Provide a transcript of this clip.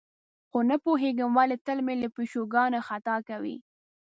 خو نه پوهېږم ولې تل مې له پښو کاڼي خطا کوي.